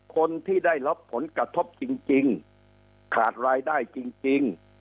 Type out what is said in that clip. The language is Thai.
คนที่ได้รับผลกระทบจริงขาดรายได้จริง